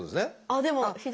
あっでも左。